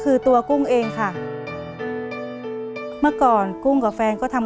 เปลี่ยนเพลงเพลงเก่งของคุณและข้ามผิดได้๑คำ